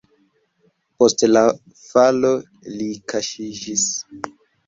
Post la falo li kaŝiĝis.